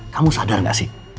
kamu sadar gak sih